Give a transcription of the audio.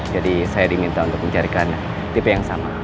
jadi saya diminta untuk mencarikan tipe yang sama